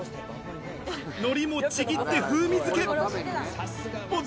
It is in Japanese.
のりもちぎって風味づけ。